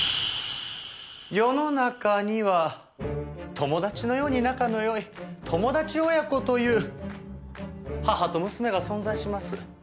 世の中には友達のように仲の良い「友達親子」という母と娘が存在します。